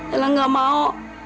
ela gak mau